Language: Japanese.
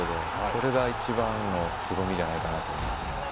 これが一番のすごみじゃないかなと思います。